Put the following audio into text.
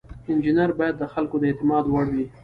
انجینر باید د خلکو د اعتماد وړ وي.